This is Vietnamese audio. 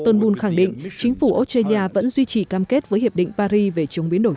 turnbul khẳng định chính phủ australia vẫn duy trì cam kết với hiệp định paris về chống biến đổi